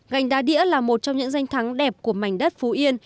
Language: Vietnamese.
gành đá đĩa là một trong những danh thắng đẹp của mảnh đất phú yên